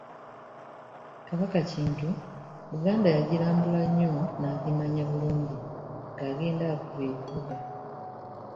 Kabaka Kintu Buganda yagirambula nnyo n'agimanya bulungi ng'agenda akuba ebibuga.